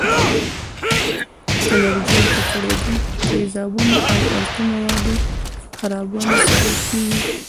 د لرګیو ککړېدل په تیزابونو او القلي موادو خرابوالي سبب کېږي.